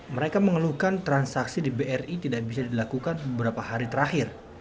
mereka mengeluhkan transaksi di bri tidak bisa dilakukan beberapa hari terakhir